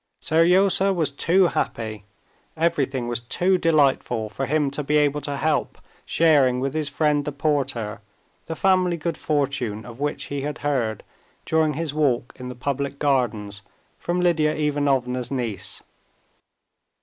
Seryozha was too happy, everything was too delightful for him to be able to help sharing with his friend the porter the family good fortune of which he had heard during his walk in the public gardens from Lidia Ivanovna's niece.